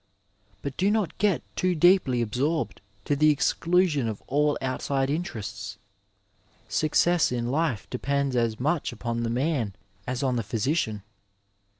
But do not get too deeply absorbed to the exclusion of all outside interests. Success in life depends as much upon the man as on the physician.